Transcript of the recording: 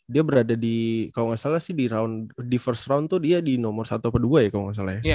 dia berada di kalau nggak salah sih di first round tuh dia di nomor satu atau dua ya kalau nggak salah ya